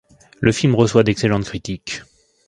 Le film reçoit d’excellentes critiques.